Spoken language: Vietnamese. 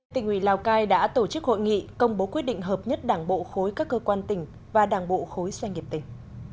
tỉnh ủy lào cai đã tổ chức hội nghị công bố quyết định hợp nhất đảng bộ khối các cơ quan tỉnh và đảng bộ khối doanh nghiệp tỉnh